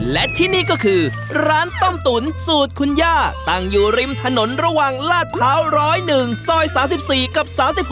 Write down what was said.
และที่นี่ก็คือร้านต้มตุ๋นสูตรคุณย่าตั้งอยู่ริมถนนระหว่างลาดพร้าว๑๐๑ซอย๓๔กับ๓๖